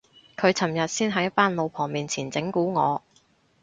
佢尋日先喺班老婆面前整蠱我